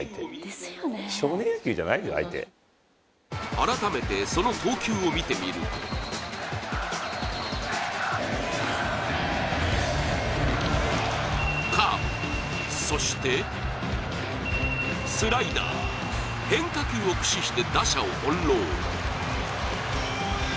改めて、その投球を見てみるとカーブ、そしてスライダー。変化球を駆使して打者をほんろう。